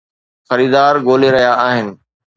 خريدار ڳولي رھيا آھن